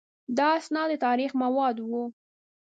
دا اسناد د تاریخ مواد وو.